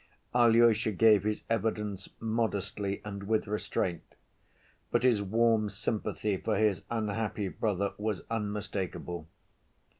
Alyosha gave his evidence modestly and with restraint, but his warm sympathy for his unhappy brother was unmistakable.